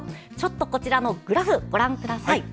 こちらのグラフご覧ください。